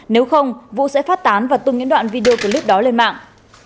nếu không vũ sẽ phát tán và tung những đoạn video clip đó lên mạng